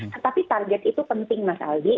tetapi target itu penting mas aldi